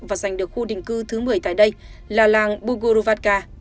và giành được khu định cư thứ một mươi tại đây là làng bugorovaka